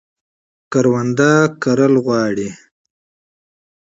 پټی به کرل غواړي